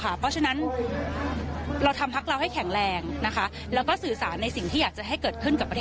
เพราะฉะนั้นเราทำพรรคเราให้แข็งแรงนะคะ